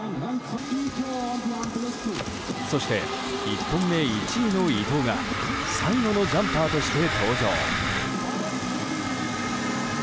そして、１本目１位の伊藤が最後のジャンパーとして登場。